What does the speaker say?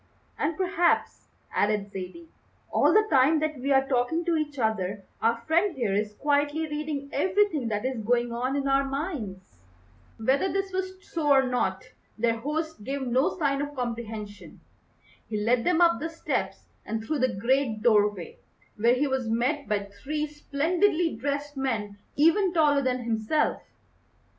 "And perhaps," added Zaidie, "all the time that we are talking to each other our friend here is quietly reading everything that is going on in our minds." Whether this was so or not their host gave no sign of comprehension. He led them up the steps and through the great doorway, where he was met by three splendidly dressed men even taller than himself.